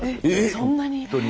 そんなに。